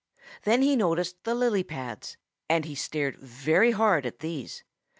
Then he noticed the lily pads, and he stared very hard at these.